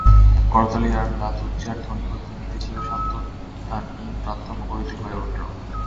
করতালি আর লাত-উযযার ধ্বনি-প্রতিধ্বনিতে চির শান্ত তানঈম প্রান্তর মুখরিত হয়ে উঠল।